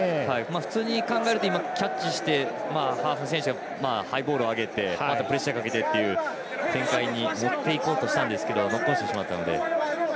普通に考えるとキャッチしてハイボールを上げてプレッシャーをかけてという展開に持っていこうとしたんですけどノックオンしてしまったので。